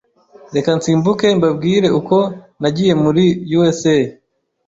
Reka nsimbuke mbabwire uko nagiye muri USA: